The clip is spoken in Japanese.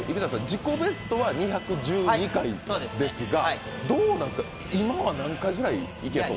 自己ベストは２１２回ですがどうなんすか、今は何回くらいいけそう？